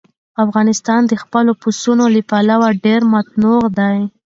افغانستان د خپلو پسونو له پلوه ډېر متنوع دی.